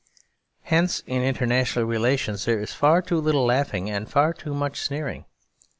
Hence in international relations there is far too little laughing, and far too much sneering.